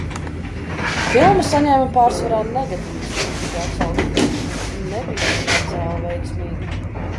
Filma saņēma pārsvarā negatīvas kritiķu atsauksmes un nebija finansiāli veiksmīga.